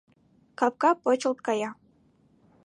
Капка почылт кая.